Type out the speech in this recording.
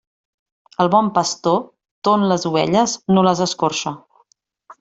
El bon pastor ton les ovelles, no les escorxa.